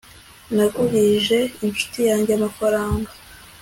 nagurije inshuti yanjye amafaranga